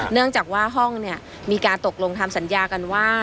เนื่องจากว่าห้องเนี่ยมีการตกลงทำสัญญากันว่า